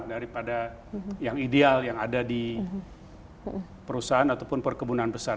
daripada yang ideal yang ada di perusahaan ataupun perkebunan besar